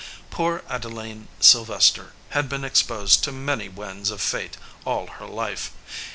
Poor Adeline Sylvester had been exposed to many winds of fate all her life.